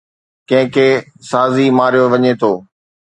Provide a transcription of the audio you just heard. ڪنهن کي ساڙي ماريو وڃي ٿو